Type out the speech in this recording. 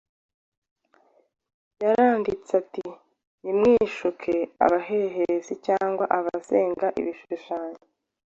Yaranditse ati: “Ntimwishuke; abahehesi, cyangwa abasenga ibishushanyo,